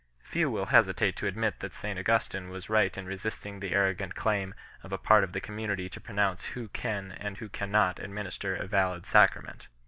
Few will hesitate to admit that St Augustin was right in resisting the arro gant claim of a part of the community to pronounce who can and who cannot administer a valid sacrament.